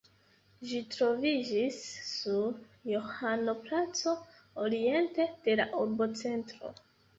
Ĝi troviĝis sur Johano-placo, oriente de la urbocentro.